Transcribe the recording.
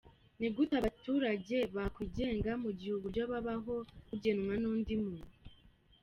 Ni gute abaturage bakwigenga, mu gihe uburyo babaho bugenwa n’undi muntu ?